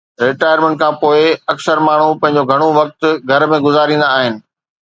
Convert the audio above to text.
retirement کان پوء، اڪثر ماڻهو پنهنجو گهڻو وقت گهر ۾ گذاريندا آهن